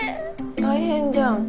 大変じゃん。